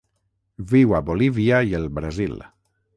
Viu a Bolívia i el Brasil.